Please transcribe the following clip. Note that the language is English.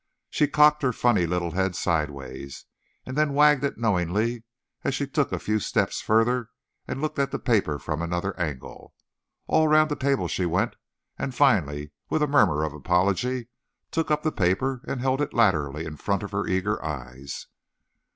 She cocked her funny little head sidewise, and then wagged it knowingly as she took a few steps further and looked at the paper from another angle. All round the table she went, and finally, with a murmur of apology, took up the paper and held it laterally in front of her eager eyes.